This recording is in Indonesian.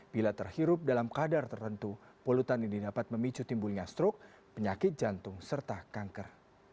bila terhirup dalam kadar tertentu polutan ini dapat memicu timbulnya stroke penyakit jantung serta kanker